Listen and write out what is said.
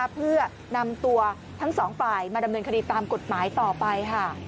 เพื่อนำตัวทั้งสองฝ่ายมาดำเนินคดีตามกฎหมายต่อไปค่ะ